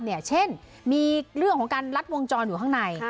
อย่างเช่นมีเรื่องของการลัดวงจรอยู่ข้างใน